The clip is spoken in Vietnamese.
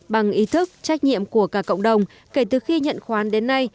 bằng ý thức trách nhiệm của cả cộng đồng kể từ khi nhận khoán đến nay